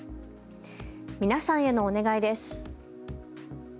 皆さんへのお願いです。